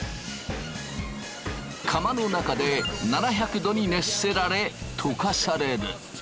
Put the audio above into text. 釜の中で７００℃に熱せられ溶かされる。